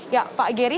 ya pak geri